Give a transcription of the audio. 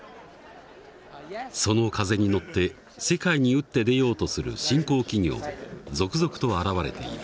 その風に乗って世界に打って出ようとする新興企業も続々と現れている。